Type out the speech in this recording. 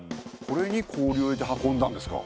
これに氷を入れて運んだんですか？